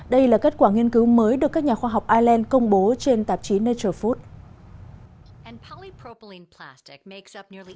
đây là kết quả nghiên cứu mới được các nhà khoa học ireland công bố trên tạp chí nature food